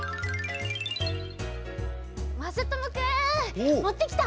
まさともくんもってきた。